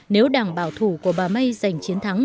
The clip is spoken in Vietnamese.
nếu đảng bảo thủ của bà may giành chiến thắng